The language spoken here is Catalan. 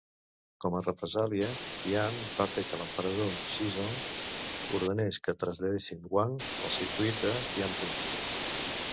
Com a represàlia, Tian va fer que l'emperador Xizong ordenés que traslladessin Wang al circuit de Tianping.